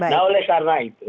nah oleh karena itu